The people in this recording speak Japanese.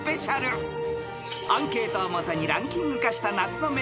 ［アンケートをもとにランキング化した夏の名曲］